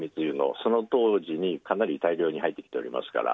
その当時に大量に入ってきていますから。